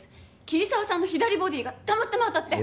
桐沢さんの左ボディーがたまたま当たって。